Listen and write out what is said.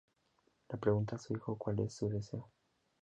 Le pregunta a su hijo cuál es su deseo.